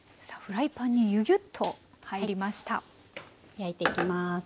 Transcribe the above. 焼いていきます。